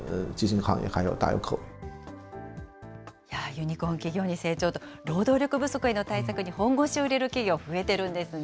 ユニコーン企業に成長と、労働力不足への対策に本腰を入れる企業、増えてるんですね。